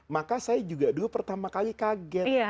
maka saya juga dulu pertama kali kaget